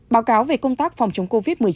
báo cáo về công tác phòng chống covid một mươi chín